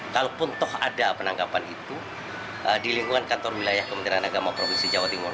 kalaupun toh ada penangkapan itu di lingkungan kantor wilayah kementerian agama provinsi jawa timur